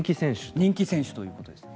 人気選手ということです。